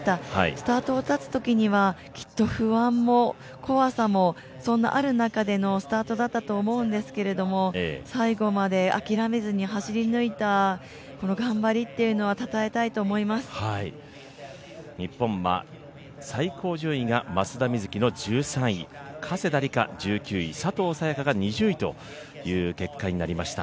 スタートに立つときには、きっと不安も怖さもそんなある中でのスタートだったと思うんですけれども、最後まで諦めずに走り抜いた頑張りというのは日本は最高順位が松田瑞生の１３位、加世田梨花１９位、佐藤早也伽が２０位という結果になりました。